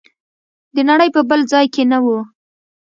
د نړۍ په بل ځای کې نه و.